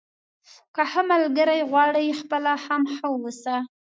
که ښه ملګری غواړئ خپله هم ښه واوسه.